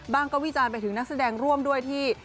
ก็วิจารณ์ไปถึงนักแสดงร่วมด้วยที่